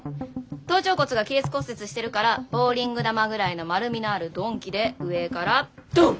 頭頂骨が亀裂骨折してるからボウリング球ぐらいの丸みのある鈍器で上からドーン！